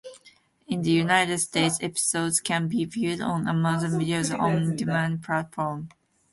In the United States, episodes can be viewed on Amazon Video's on demand platform.